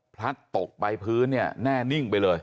พลัดตกไปพื้นเนี่ยแน่นิ่งไปเลย